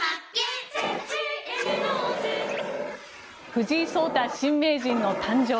藤井聡太新名人の誕生。